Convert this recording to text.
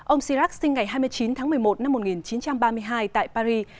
ông chirac sinh ngày hai mươi chín tháng một mươi một năm một nghìn chín trăm ba mươi hai tại paris